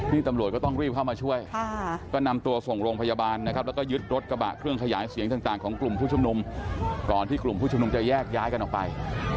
นี่ตำรวจก็ต้องรีบเข้ามาช่วยก็นำตัวส่งโรงพยาบาลนะครับแล้วก็ยึดรถกระบะเครื่องขยายเสียงต่างของกลุ่มผู้ชุมนุมก่อนที่กลุ่มผู้ชุมนุมจะแยกย้ายกันออกไป